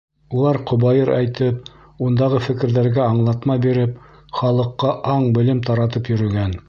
Улар ҡобайыр әйтеп, ундағы фекерҙәргә аңлатма биреп, халыҡҡа аң-белем таратып йөрөгән.